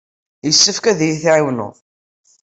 Yessefk ad iyi-tɛawneḍ.